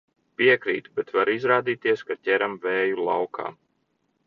Piekrītu, bet var izrādīties, ka ķeram vēju laukā.